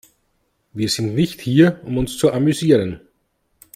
Wir sind nicht hier, um uns zu amüsieren.